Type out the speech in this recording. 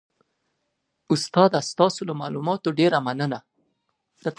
استاده ستاسو له معلوماتو ډیره مننه